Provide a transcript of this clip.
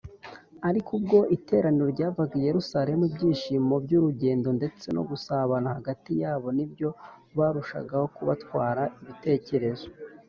. Ariko ubwo iteraniro ryavaga i Yerusalemu, ibyishimo by’urugendo ndetse no gusabana hagati yabo nibyo barushagaho kubatwara ibitekerezo